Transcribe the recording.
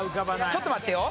ちょっと待ってよ。